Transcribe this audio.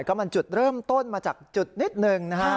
ก็มันจุดเริ่มต้นมาจากจุดนิดหนึ่งนะฮะ